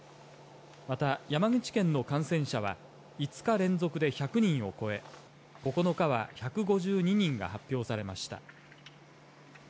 また山口県の感染者は５日連続で１００人を超え９日は１５２人が発表されました。